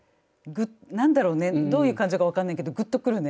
何だろうねどういう感情か分かんないけどグッとくるね。